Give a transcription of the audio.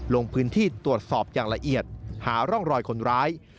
ลงพื้นที่ตรวจสอบอย่างละเอียดหาร่องรอยคนร้าย